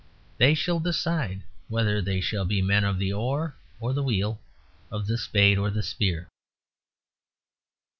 They shall decide whether they shall be men of the oar or the wheel, of the spade or the spear.